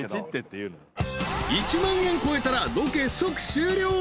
［１万円超えたらロケ即終了］